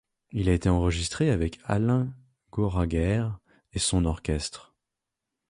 Il a été enregistré avec Alain Goraguer et son orchestre.